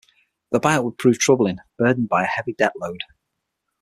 The buyout would prove troubling, burdened by a heavy debt load.